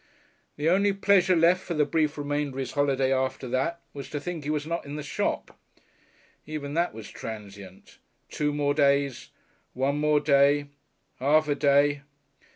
The only pleasure left for the brief remainder of his holiday after that was to think he was not in the shop. Even that was transient. Two more days one more day half a day.